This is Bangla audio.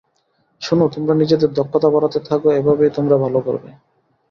শোনো, তোমরা নিজেদের দক্ষতা বাড়াতে থাকো, এভাবেই তোমরা ভালো করবে।